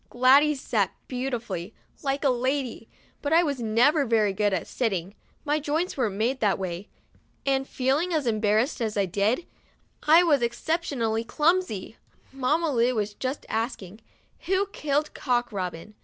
Gladys sat beautifully, like a little lady, but I never was very good at sitting, my joints weren't made that way, and, feeling as embarrassed as I did, I was exceptionally clumsy. Mamma Lu was just asking: "Who killed Cock Robin?"